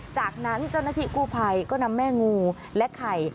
จากนั้นเจ้าหน้าที่กู้ภัยก็นำแม่งูและไข่